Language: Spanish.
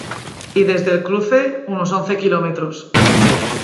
Y desde el cruce, unos once kilómetros.